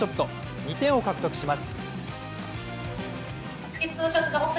２点を獲得します。